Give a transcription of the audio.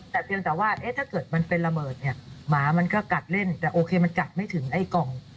แต่เพียงแต่ว่าเอ๊ะถ้าเกิดมันเป็นระเบิดเนี่ยหมามันก็กัดเล่นแต่โอเคมันกัดไม่ถึงไอ้กล่อง